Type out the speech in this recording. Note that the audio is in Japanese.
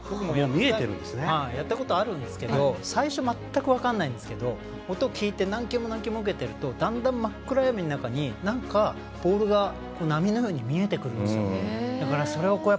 やったことあるんですけど最初、全く分からないんですけど音聞いて何球も受けてるとだんだん真っ暗闇の中になんかボールが波のように見えてくるんですよ。